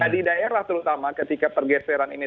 di daerah terutama ketika pergeseran ini